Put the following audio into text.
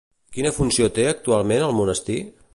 Quina funció té actualment al monestir?